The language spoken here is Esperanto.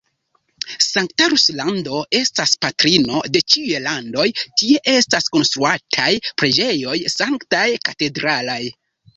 Sankta Ruslando estas patrino de ĉiuj landoj: tie estas konstruataj preĝejoj sanktaj, katedralaj.